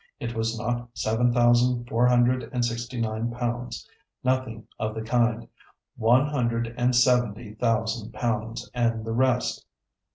It was not seven thousand four hundred and sixty nine pounds. Nothing of the kind. One hundred and seventy thousand pounds and the rest.